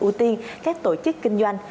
ưu tiên các tổ chức kinh doanh